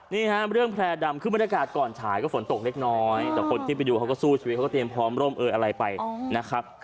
นี่ฮะเรื่องแพร่ดำคือบรรยากาศก่อนฉายก็ฝนตกเล็กน้อยแต่คนที่ไปดูเขาก็สู้ชีวิตเขาก็เตรียมพร้อมร่มเอยอะไรไปนะครับ